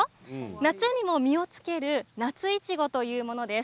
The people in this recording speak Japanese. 夏にも実をつける夏いちごというものです。